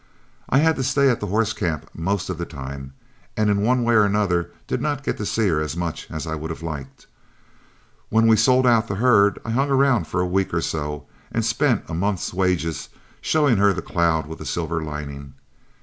I had to stay at the horse camp most of the time, and in one way and another did not get to see her as much as I would have liked. When we sold out the herd, I hung around for a week or so, and spent a month's wages showing her the cloud with the silver lining.